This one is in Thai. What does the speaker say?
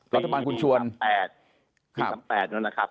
รัฐบาลคุณชวนครับที่๓๘นั่นนะครับ